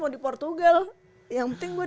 mau di portugal yang penting buat